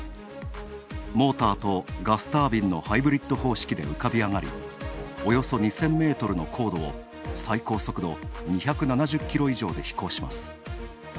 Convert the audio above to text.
モーターとガスタービンのハイブリッド方式で浮かび上がりおよそ２０００ｍの高度を最高速度２７０キロ以上で飛行します。